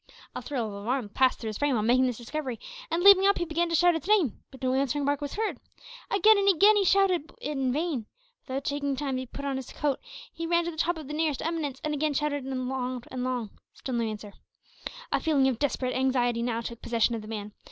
A thrill of alarm passed through his frame on making this discovery, and, leaping up, he began to shout its name. But no answering bark was heard. Again and again he shouted, but in vain. Without taking time to put on his coat, he ran to the top of the nearest eminence, and again shouted loud and long. Still no answer. A feeling of desperate anxiety now took possession of the man.